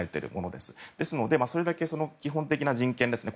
ですので、それだけ基本的な人権ですね。